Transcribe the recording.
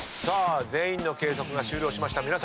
さあ全員の計測が終了しました。